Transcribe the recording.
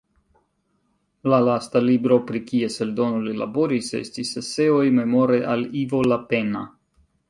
La lasta libro pri kies eldono li laboris estis "Eseoj Memore al Ivo Lapenna".